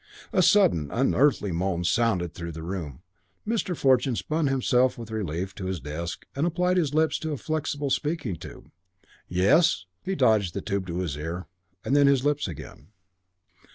A sudden and unearthly moan sounded through the room. Mr. Fortune spun himself with relief to his desk and applied his lips to a flexible speaking tube. "Yes?" He dodged the tube to his ear, then to his lips again.